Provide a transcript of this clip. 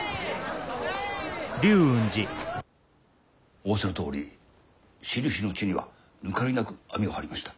仰せのとおり印の地には抜かりなく網を張りました。